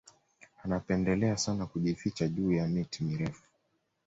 Anapendelea sana kujificha juu ya miti mirefu